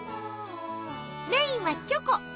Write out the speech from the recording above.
メインはチョコ。